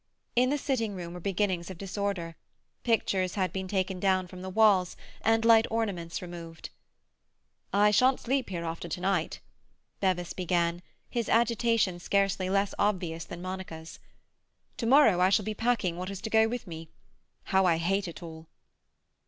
In the sitting room were beginnings of disorder. Pictures had been taken down from the walls and light ornaments removed. "I shan't sleep here after to night," Bevis began, his agitation scarcely less obvious than Monica's. "To morrow I shall be packing what is to go with me. How I hate it all!"